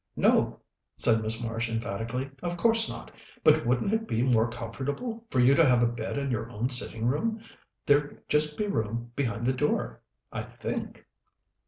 "No," said Miss Marsh emphatically, "of course not. But wouldn't it be more comfortable for you to have a bed in your own sitting room? There'd just be room behind the door, I think."